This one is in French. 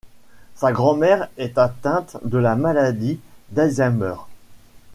Sa grand-mère est atteinte de la maladie d'Alzheimer.